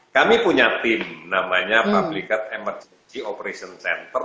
kami punya tim namanya publicat emergency operations center